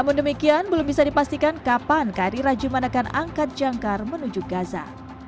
namun demikian belum bisa dipastikan kapan kri rajuman akan angkat jangkar menuju gaza